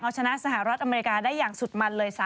เอาชนะสหรัฐอเมริกาได้อย่างสุดมันเลย